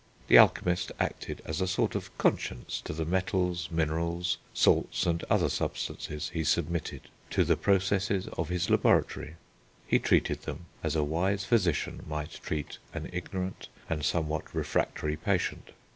The alchemist acted as a sort of conscience to the metals, minerals, salts, and other substances he submitted to the processes of his laboratory. He treated them as a wise physician might treat an ignorant and somewhat refractory patient.